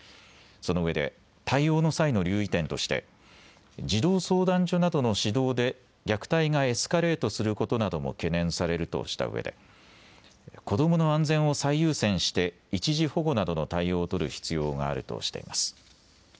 そのうえで対応の際の留意点として児童相談所などの指導で虐待がエスカレートすることなども懸念されるとしたうえで子どもの安全を最優先して一時保護などの対応を取る必要があるとしてます。